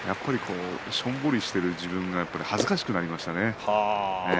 しょんぼりしている自分が恥ずかしくなりました。